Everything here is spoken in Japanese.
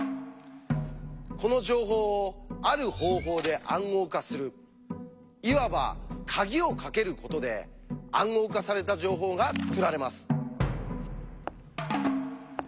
この情報をある方法で暗号化するいわば鍵をかけることで「暗号化された情報」が作られます。